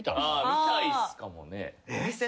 見たいっすかもね。